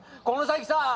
この先さ